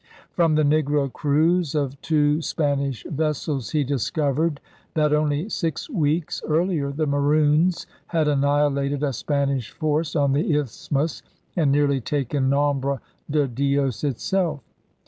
From the negro crews of two Spanish vessels he discovered that, only six weeks earlier, the Maroons had annihilated a Spanish force on the Isthmus and nearly taken Nombre de Dios itself.